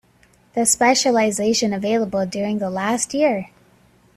The specialization available during the last year.